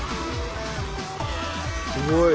すごい！